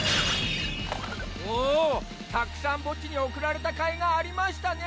おぉたくさん墓地に送られたかいがありましたね！